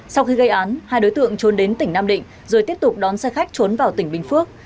sau khi gây án hai đối tượng trốn đến tỉnh nam định rồi tiếp tục đón xe khách trốn vào tỉnh bình phước